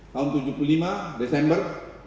tahun seribu sembilan ratus tujuh puluh lima desember